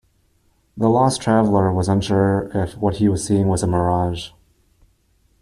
The lost traveller was unsure if what he was seeing was a mirage.